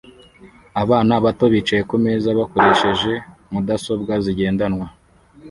Abana bato bicaye kumeza bakoresheje mudasobwa zigendanwa